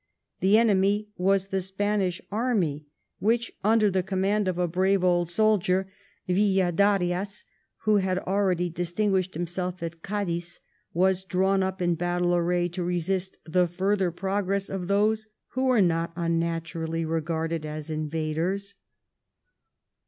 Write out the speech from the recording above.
The enemy was the Spanish army, which under the command of a brave old soldier, ViUadarias, who had already distinguished himself at Cadiz, was drawn up in battle array to resist the further pro gress of those who were not unnaturally regarded as invaders.